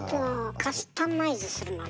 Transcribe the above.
カスタマイズするのね。